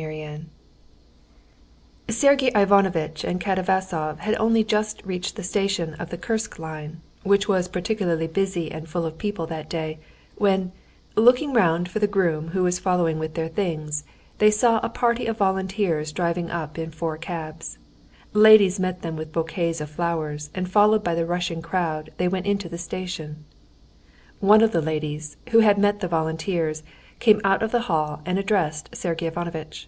Chapter 2 Sergey Ivanovitch and Katavasov had only just reached the station of the Kursk line, which was particularly busy and full of people that day, when, looking round for the groom who was following with their things, they saw a party of volunteers driving up in four cabs. Ladies met them with bouquets of flowers, and followed by the rushing crowd they went into the station. One of the ladies, who had met the volunteers, came out of the hall and addressed Sergey Ivanovitch.